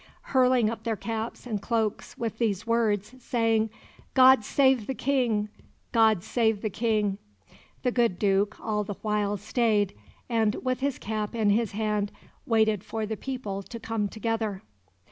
hurling up their caps and cloaks with these words, saying, 'God save the King! God save the King!' The good Duke all the while stayed, and, with his cap in his hand, waited for the people to come together."